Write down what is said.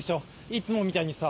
いつもみたいにさ。